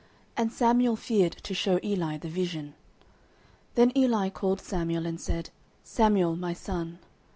And Samuel feared to shew Eli the vision. 09:003:016 Then Eli called Samuel, and said, Samuel, my son.